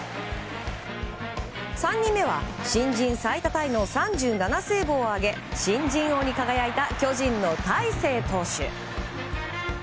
３人目は、新人最多タイの３７セーブを挙げ新人王に輝いた巨人の大勢投手。